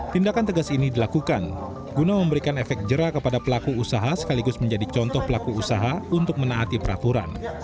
tindakan tegas ini dilakukan guna memberikan efek jerah kepada pelaku usaha sekaligus menjadi contoh pelaku usaha untuk menaati peraturan